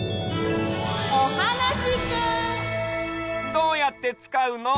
どうやってつかうの？